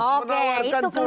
oke itu keluar tuh akhirnya